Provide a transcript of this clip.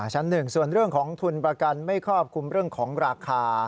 ชั้น๑ส่วนเรื่องของทุนประกันไม่ครอบคลุมเรื่องของราคา